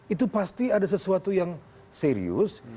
itu pasti ada sesuatu yang serius